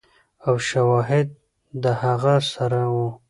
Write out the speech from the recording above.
او شواهد د هغه سره ؤ